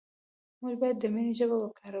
موږ باید د مینې ژبه وکاروو.